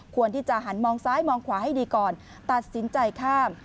ควรที่จะหันมองซ้ายมองขวาให้ดีก่อนตัดสินใจข้าม